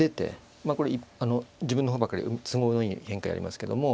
まあこれ自分の方ばっかり都合のいい変化やりますけども。